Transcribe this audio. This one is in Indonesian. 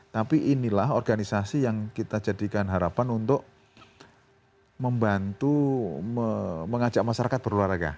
tapi inilah organisasi yang kita jadikan harapan untuk membantu mengajak masyarakat berolahraga